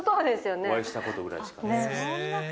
お会いしたことぐらいしかないです。